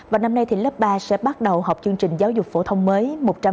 và năm nay thì lớp ba sẽ bắt đầu học chương trình giáo dục phổ thông mới một trăm năm mươi